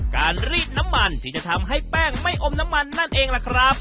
รีดน้ำมันที่จะทำให้แป้งไม่อมน้ำมันนั่นเองล่ะครับ